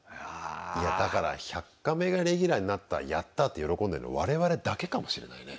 いやだから「１００カメ」がレギュラーになったやった！って喜んでるの我々だけかもしれないね。